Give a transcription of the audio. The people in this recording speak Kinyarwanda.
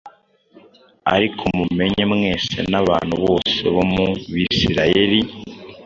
Ariko mumenye mwese n’abantu bose bo mu Bisirayeri,